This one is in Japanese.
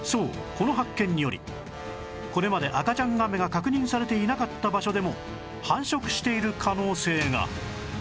この発見によりこれまで赤ちゃんガメが確認されていなかった場所でも繁殖している可能性が